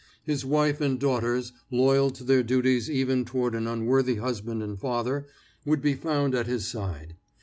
His wife and daughters, loyal to their duties even toward an unworthy husband and father, would be found at his side.